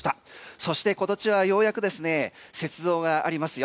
そして今年はようやく雪像がありますよ。